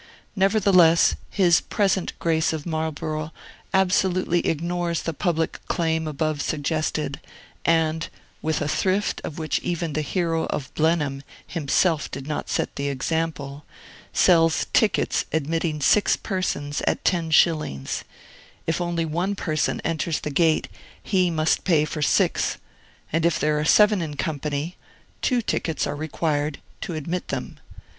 Nevertheless, his present Grace of Marlborough absolutely ignores the public claim above suggested, and (with a thrift of which even the hero of Blenheim himself did not set the example) sells tickets admitting six persons at ten shillings; if only one person enters the gate, he must pay for six; and if there are seven in company, two tickets are required to admit them.